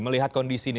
melihat kondisi ini